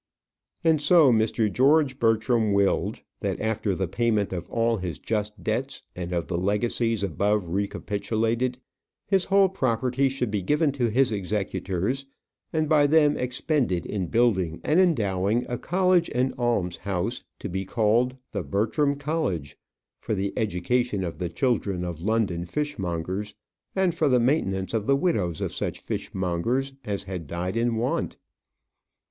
And so Mr. George Bertram willed, that after the payment of all his just debts, and of the legacies above recapitulated, his whole property should be given to his executors, and by them expended in building and endowing a college and alms house, to be called "The Bertram College," for the education of the children of London fishmongers, and for the maintenance of the widows of such fishmongers as had died in want.